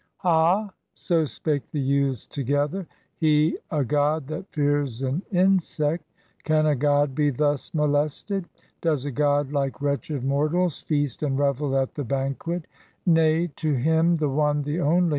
"Ha!" — so spake the youths together, — "He a god that fears an insect! Can a god be thus molested? Does a god, like wretched mortals. Feast and revel at the banquet? Nay ! to Him, the one, the only.